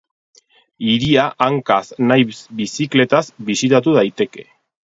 Hiria hankaz nahiz bizikletaz bisitatu daiteke.